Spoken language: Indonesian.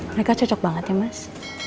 mereka cocok banget ya mas